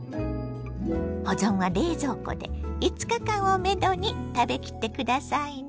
保存は冷蔵庫で５日間をめどに食べきってくださいね。